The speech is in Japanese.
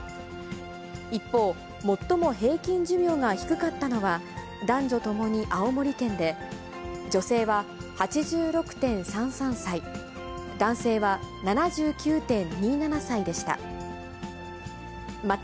一方、最も平均寿命が低かったのは、男女ともに青森県で、女性は８６．３３歳、男性は７９．２７歳でした。